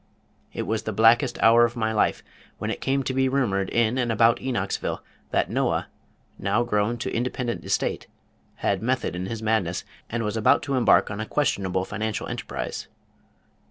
] It was the blackest hour of my life when it came to be rumored in and about Enochsville that Noah, now grown to independent estate, had method in his madness, and was about to embark upon a questionable financial enterprise.